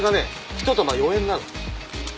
ひと玉４円なの。